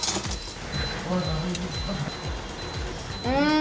oh enak banget